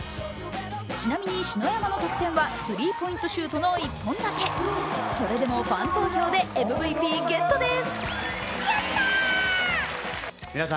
ちなみに篠山の得点はスリーポイントシュートの１点だけそれでもファン投票でＭＶＰゲットです。